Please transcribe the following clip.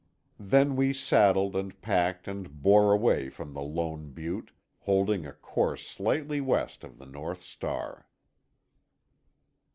Then we saddled and packed and bore away from the lone butte, holding a course slightly west of the North Star.